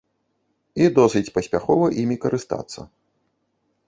І досыць паспяхова імі карыстацца.